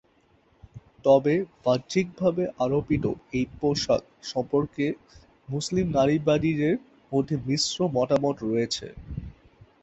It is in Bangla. তবে বাহ্যিকভাবে আরোপিত এই পোশাক সম্পর্কে মুসলিম নারীবাদীদের মধ্যে মিশ্র মতামত রয়েছে।